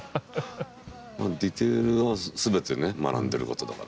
まあディテールは全てね学んでることだから。